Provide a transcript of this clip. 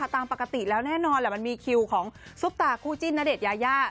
ตามปกติแล้วแน่นอนแหละมันมีคิวของซุปตาคู่จิ้นณเดชนยายา